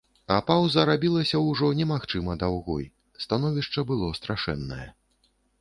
А паўза рабілася ўжо немагчыма даўгой, становішча было страшэннае.